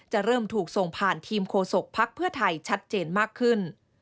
จะเริ่มถูกส่งผ่านทีมโฆษกภักดิ์เพื่อไทยชัดเจนมากขึ้น